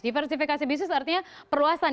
diversifikasi bisnis artinya perluasan